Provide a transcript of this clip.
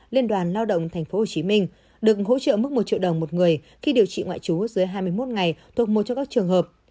liên đoàn lao động tp hcm được hỗ trợ mức một triệu đồng một người khi điều trị ngoại trú dưới hai mươi một ngày thuộc một trong các trường hợp